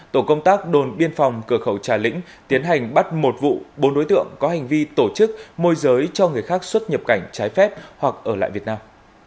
tổ công tác đồn biên phòng cửa khẩu trà lĩnh tiến hành bắt một vụ bốn đối tượng có hành vi tổ chức môi giới cho người khác xuất nhập cảnh trái phép hoặc ở lại việt nam